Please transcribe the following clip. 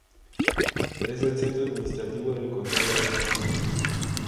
Es el centro administrativo del Condado de Saunders.